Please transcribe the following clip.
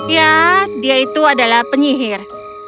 ya dia itu adalah penyihir